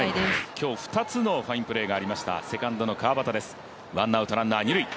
今日、２つのファインプレーがありましたセカンドの川畑。